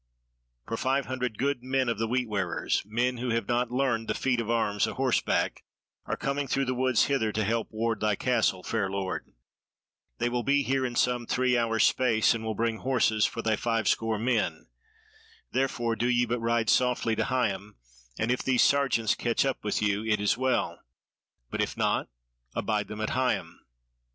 For five hundred good men of the Wheat wearers, men who have not learned the feat of arms a horseback, are coming through the woods hither to help ward thy castle, fair lord; they will be here in some three hours' space and will bring horses for thy five score men, therefore do ye but ride softly to Higham and if these sergeants catch up with you it is well, but if not, abide them at Higham."